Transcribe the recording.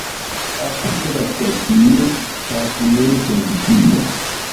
Apud la stacio parkumejo funkcias.